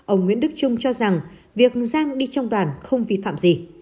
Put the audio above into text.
ông nguyễn đức trung cho rằng việc giang đi trong đoàn không vi phạm gì